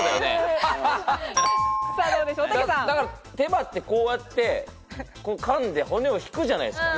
手羽って、こうやってかんで骨を引くじゃないですか。